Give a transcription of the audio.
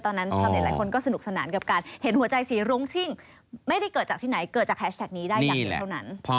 ชาวเน็ตหลายคนก็สนุกสนานกับการเห็นหัวใจสีรุ้งซึ่งไม่ได้เกิดจากที่ไหนเกิดจากแฮชแท็กนี้ได้อย่างเดียวเท่านั้น